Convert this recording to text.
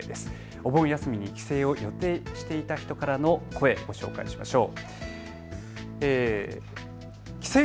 お盆休みに帰省を予定していた人からの声、ご紹介しましょう。